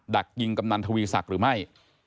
ดักยิงกำนันทวีศักดิ์หรือไม่